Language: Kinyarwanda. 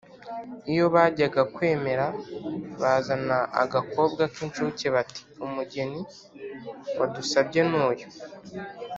”iyo bajya kwemera bazana agakobwa k’inshuke bati: “umugeni wadusabye ni uyu”